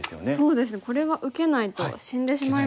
これは受けないと死んでしまいますね。